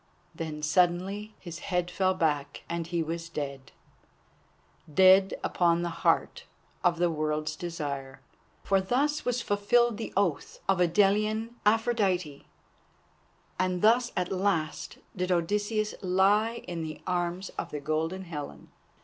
Then suddenly his head fell back, and he was dead, dead upon the heart of the World's Desire. For thus was fulfilled the oath of Idalian Aphrodite, and thus at the last did Odysseus lie in the arms of the Golden Helen.